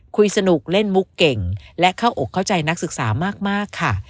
คุยสนุกเล่นมุกเก่งและเข้าอกเข้าใจนักศึกษามากค่ะ